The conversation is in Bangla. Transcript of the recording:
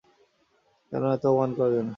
কেন, এত অপমান কেন?